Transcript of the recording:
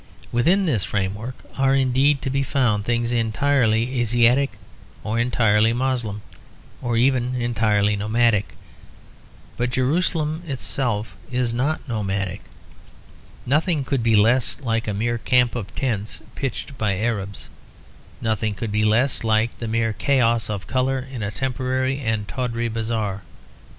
Within this frame work are indeed to be found things entirely Asiatic, or entirely Moslem, or even entirely nomadic. But Jerusalem itself is not nomadic. Nothing could be less like a mere camp of tents pitched by Arabs. Nothing could be less like the mere chaos of colour in a temporary and tawdry bazaar.